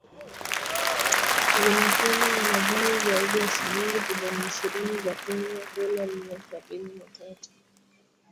zinasema wanadai zaidi ya shilingi bilioni ishirini za Kenya dola mia sabini na tatu